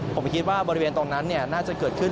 ผมคิดว่าบริเวณตรงนั้นน่าจะเกิดขึ้น